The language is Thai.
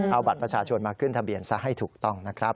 เอาบัตรประชาชนมาขึ้นทะเบียนซะให้ถูกต้องนะครับ